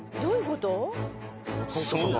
［そう。